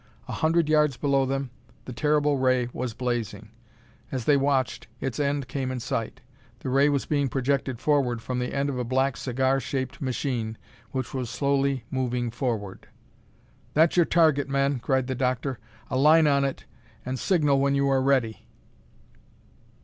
A hundred yards below them the terrible ray was blazing. As they watched, its end came in sight. The ray was being projected forward from the end of a black cigar shaped machine which was slowly moving forward. "That's your target, men!" cried the doctor. "Align on it and signal when you are ready!"